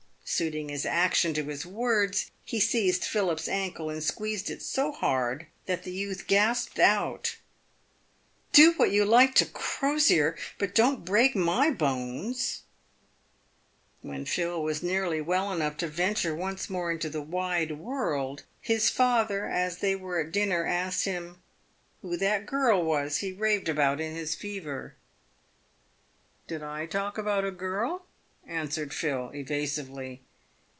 Suiting his action to his words, he seized Philip's ankle, and squeezed it so hard, that the youth gasped out, " Do what you like to Crosier, but don't break my bones !" "When Phil was nearly well enough to venture once more into the 2 a2 356 PAYED "WITH GOLD. wide world, bis father, as they were at dinner, asked him, " Who that girl was he raved about in his fever ?"" Did I talk about a girl?" answered Phil, evasively.